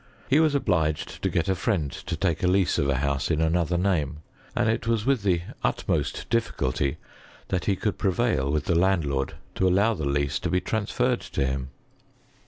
He was obliged to get a friend to take a lease of a house in another name ; and it was with the utmost difficulty that he could prevail with the landlord to allow the lease to be transferred to him.